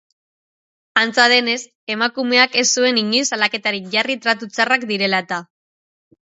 Antza denez, emakumeak ez zuen inoiz salaketarik jarri tratu txarrak direla eta.